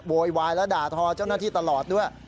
โวยวายและด่าทอเจ้าหน้าที่ตลอดด้วย